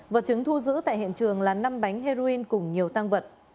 vật chứng thu giữ tại hiện trường là năm bánh heroin cùng nhiều tăng vật